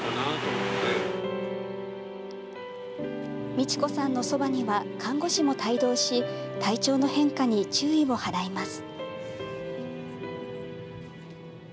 美千子さんのそばには看護師も帯同し体調の変化に注意を払います。